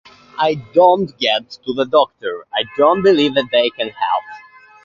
I don't get to the doctor. I don't believe that they can help.